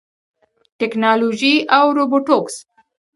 ټیکنالوژي او روبوټکس